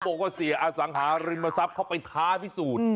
บอกว่าเสียอสังหาริมทรัพย์เข้าไปท้าพิสูจน์